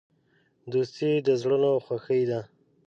دوستي د زړونو خوښي ده.